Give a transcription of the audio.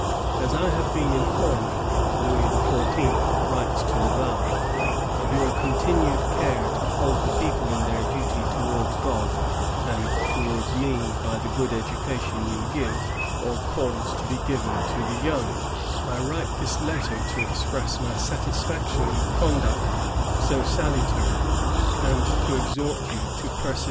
"As I have been informed," Louis XIV. writes to Laval, " of your continued care to hold the people in their duty towards God and towards me by the good education you give or cause to be given to the young, I write this letter to express my satisfaction with conduct so salutary, and to exhort you to persevere in it."